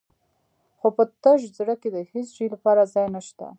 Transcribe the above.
خو په تش زړه کې د هېڅ شي لپاره ځای نه شته.